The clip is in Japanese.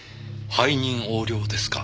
背任横領ですか？